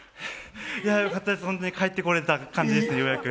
いや、よかったです、本当に帰ってこれた感じです、ようやく。